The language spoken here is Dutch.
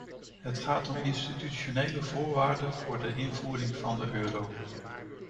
Het gaat om een institutionele voorwaarde voor de invoering van de euro.